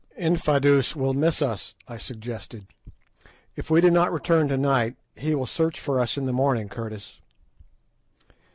"Infadoos will miss us," I suggested. "If we do not return to night he will search for us in the morning, Curtis."